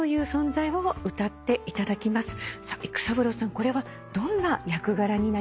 育三郎さんこれはどんな役柄になりますか？